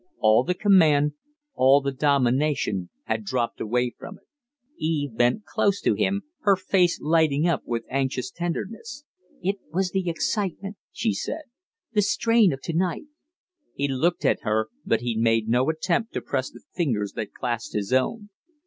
All the command, all the domination had dropped away from it. Eve bent close to him, her face lighting up with anxious tenderness. "It was the excitement," she said, "the strain of tonight." He looked at her; but he made no attempt to press the fingers that clasped his own.